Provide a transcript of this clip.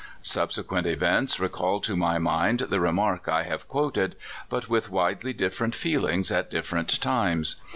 Subsequent events recalled to my mind the remark I have quoted, but with widely different feelings at differ ent times.